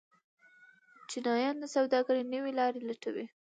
چینایان د سوداګرۍ نوې لارې لټوي.